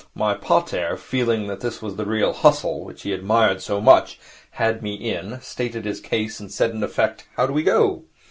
My pater, feeling that this was the real hustle which he admired so much, had me in, stated his case, and said, in effect, "How do we go?"